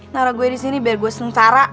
nara gue disini biar gue sengsara